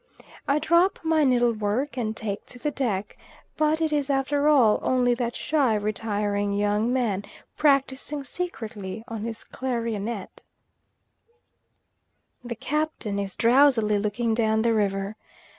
I drop my needlework and take to the deck; but it is after all only that shy retiring young man practising secretly on his clarionet. The Captain is drowsily looking down the river.